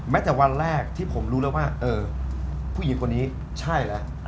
แต่วันแรกที่ผมรู้แล้วว่าเออผู้หญิงคนนี้ใช่แล้ว